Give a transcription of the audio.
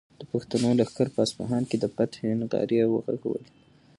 د پښتنو لښکر په اصفهان کې د فتحې نغارې وغږولې.